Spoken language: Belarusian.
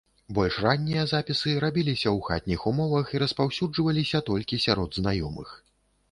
Больш раннія запісы рабіліся ў хатніх умовах і распаўсюджваліся толькі сярод знаёмых.